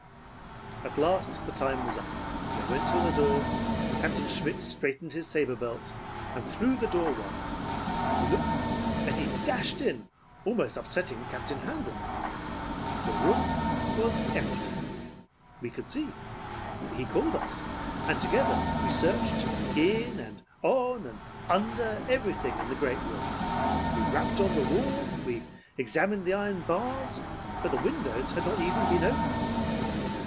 "At last the time was up. They went to the door. Captain Schmitt straightened his saber belt, and threw the door wide. "He looked, then he dashed in, almost upsetting Captain Handel. The room was empty. We could see. He called us, and together we searched in and on and under everything in the great room. We rapped on the wall. We examined the iron bars, but the windows had not even been opened.